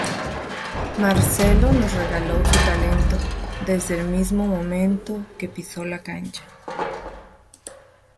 Marcelo nos regalo su talento desde el mismo momento que piso la cancha.